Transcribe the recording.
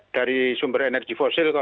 dari sumber energi fosil